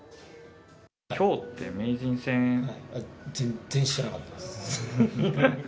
きょうって名人戦？あっ、全然知らなかったです。